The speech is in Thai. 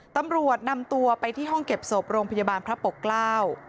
ตำรวจนำตัวไปที่ห้องเก็บศพโรงพยาบาลพระปกเกล้า